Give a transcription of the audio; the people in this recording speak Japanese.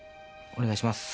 お願いします。